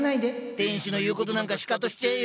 天使の言うことなんかシカトしちゃえよ！